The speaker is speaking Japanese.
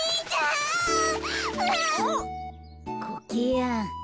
コケヤン。